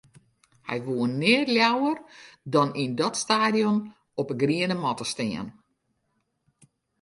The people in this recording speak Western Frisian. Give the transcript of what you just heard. Hy woe neat leaver as yn dat stadion op 'e griene matte stean.